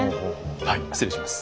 はい失礼します。